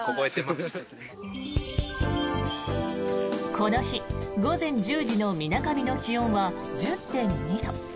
この日、午前１０時のみなかみの気温は１０．２度。